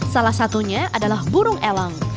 salah satunya adalah burung elang